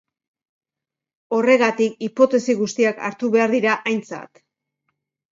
Horregatik, hipotesi guztiak hartu behar dira aintzat.